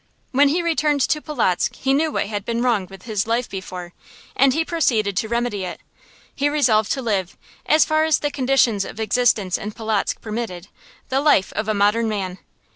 When he returned to Polotzk he knew what had been wrong with his life before, and he proceeded to remedy it. He resolved to live, as far as the conditions of existence in Polotzk permitted, the life of a modern man.